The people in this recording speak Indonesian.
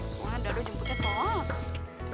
soalnya dado jemputnya tolak